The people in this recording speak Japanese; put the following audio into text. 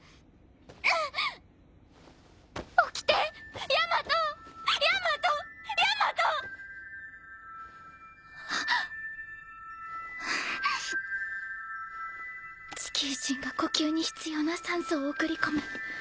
淵◆璽轡Д燹法地球人が呼吸に必要な酸素を送り込む。